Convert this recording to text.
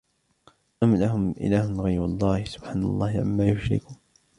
أم لهم إله غير الله سبحان الله عما يشركون